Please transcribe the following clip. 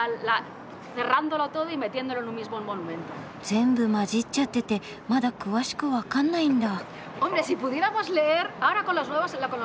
全部まじっちゃっててまだ詳しく分かんないんだ。